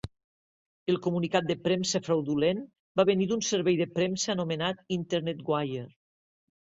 El comunicat de premsa fraudulent va venir d'un servei de premsa anomenat Internet Wire.